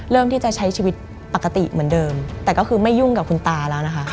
เริ่มที่จะใช้ชีวิตปกติเหมือนเดิมแต่ก็คือไม่ยุ่งกับคุณตาแล้วนะคะ